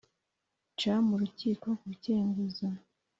Nca mu rukiko gukenguza